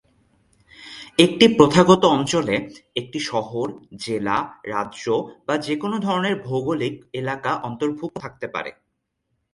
একটি প্রথাগত অঞ্চলে একটি শহর, জেলা, রাজ্য বা যেকোনো ধরনের ভৌগোলিক এলাকা অন্তর্ভুক্ত থাকতে পারে।